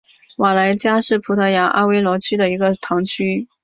瓦莱加是葡萄牙阿威罗区的一个堂区。